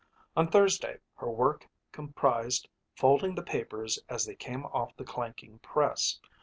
On Thursday her work comprised folding the papers as they came off the clanking press.